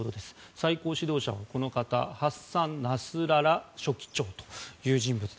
最高指導者はハッサン・ナスララ書記長という人物。